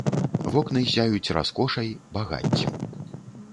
Вокны ззяюць раскошай, багаццем.